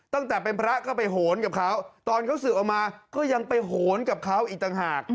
ตั้งแต่เป็นพระก็ไปโหนกับเขาตอนเขาสืบออกมาก็ยังไปโหนกับเขาอีกต่างหาก